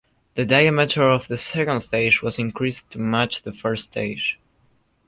The diameter of the second stage was increased to match the first stage.